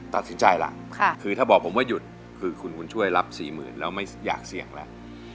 ตัดสินใจล่ะคือถ้าบอกผมว่าหยุดคือคุณบุญช่วยรับสี่หมื่นแล้วไม่อยากเสี่ยงแล้ว